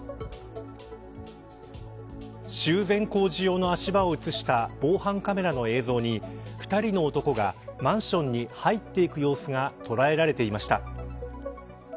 修繕工事用の足場を映した防犯カメラの映像に２人の男がマンションに入っていく様子が捉えられていました。